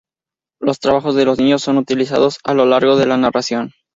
Los trabajos de los niños son utilizados a lo largo de la narración.